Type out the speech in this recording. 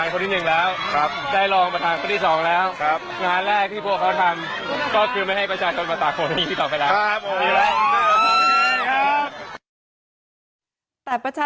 ขอบคุณมากขอบคุณมากขอบคุณทุกคนมาก